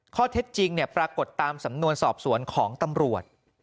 ข้อเท็จจริงปรากฏตามสำนวนสอบสวนของตำรวจ